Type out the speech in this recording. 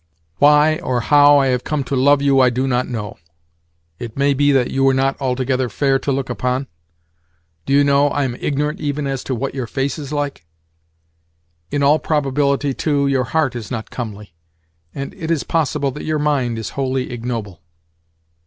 "Why or how I have come to love you I do not know. It may be that you are not altogether fair to look upon. Do you know, I am ignorant even as to what your face is like. In all probability, too, your heart is not comely, and it is possible that your mind is wholly ignoble."